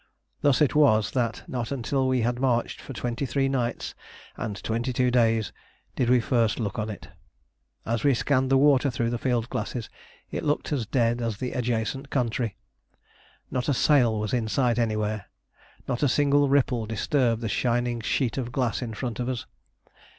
Thus it was that not until we had marched for twenty three nights and twenty two days did we first look on it. As we scanned the water through the field glasses, it looked as dead as the adjacent country. Not a sail was in sight anywhere, not a single ripple disturbed the shining sheet of glass in front of us.